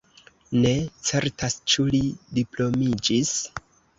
Ne certas ĉu li diplomiĝis.